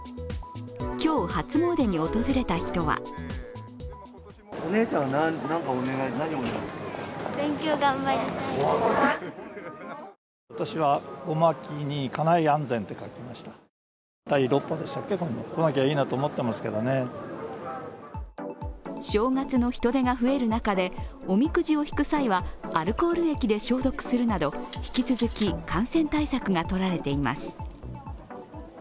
今日、初詣に訪れた人は正月の人出が増える中でおみくじを引く際はアルコール液で消毒するなど、引き続き感染対策がとられています。